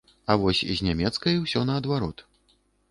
А вось з нямецкай усё наадварот.